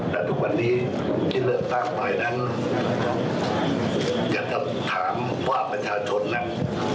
แต่ทุกวันนี้ที่เริ่มตามไปนะครับอยากจะถามความประชาชนนะครับ